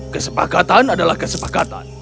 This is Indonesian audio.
kesepakatan adalah kesepakatan